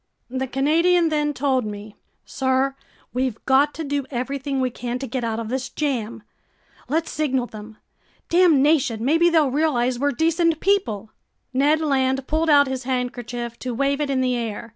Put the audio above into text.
The Canadian then told me: "Sir, we've got to do everything we can to get out of this jam! Let's signal them! Damnation! Maybe they'll realize we're decent people!" Ned Land pulled out his handkerchief to wave it in the air.